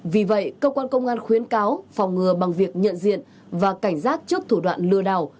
vì vậy cơ quan công an khuyến cáo phòng ngừa bằng việc nhận diện và cảnh giác trước thủ đoạn lừa đảo